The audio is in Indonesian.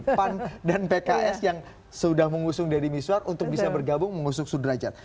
pan dan pks yang sudah mengusung deddy miswar untuk bisa bergabung mengusung sudrajat